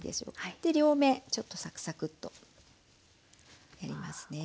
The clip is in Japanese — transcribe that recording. で両面ちょっとサクサクッとやりますね。